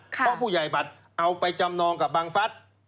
เพราะผู้ใหญ่บัตรเอาไปจำนองกับบังฟัส